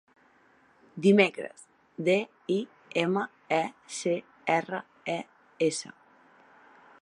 Dimecres: de, i, ema, e, ce, erra, e, essa.